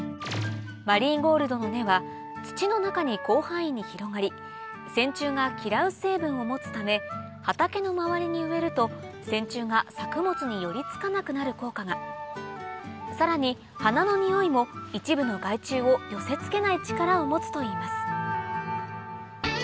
マリーゴールドの根は土の中に広範囲に広がりセンチュウが嫌う成分を持つため畑の周りに植えるとセンチュウが作物に寄りつかなくなる効果がさらに花のにおいも一部の害虫を寄せ付けない力を持つといいます